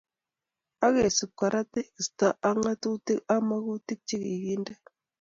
Akesub Kora tekisto ak ngatutik ak magutik che kiginde